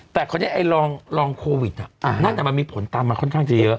แต่คนนี้ไอลองโควิดน่ะนั่นแต่มันมีผลตามมาค่อนข้างจะเยอะ